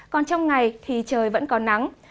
còn trong ngày thì trời vẫn có nắng